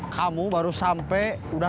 kamu baru sampai udah